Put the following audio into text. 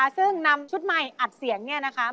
ซึ่งนำชุดใหม่อัดเสียงมาจำนำกับพวกเรา